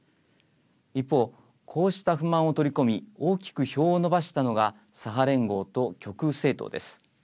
一方、こうした不満を取り込み大きく票を伸ばしたのが左派連合と極右政党です。